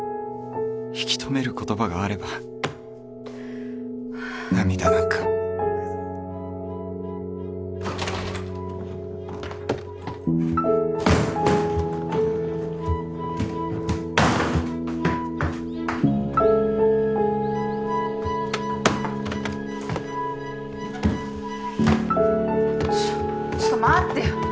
引き留める言葉があれば涙なんかちょっちょっと待ってよ。